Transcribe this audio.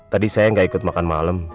tadi saya gak ikut makan malem